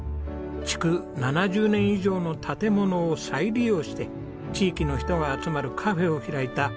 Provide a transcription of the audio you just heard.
築７０年以上の建物を再利用して地域の人が集まるカフェを開いた石井和枝さん